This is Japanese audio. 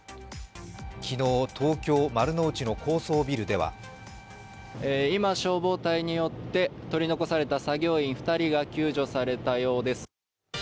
昨日、東京・丸の内の高層ビルでは今、消防隊によって取り残された作業員２人が救助されたようです。